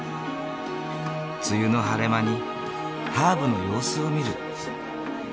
梅雨の晴れ間にハーブの様子を見る。